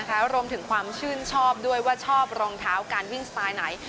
รวมถึงความชื่นชอบด้วยว่าชอบรองเท้าการวิ่งสไตล์ไหน